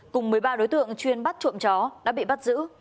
cùng một mươi ba đối tượng chuyên bắt trộm chó đã bị bắt giữ